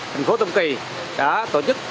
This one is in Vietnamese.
thành phố tâm kỳ đã tổ chức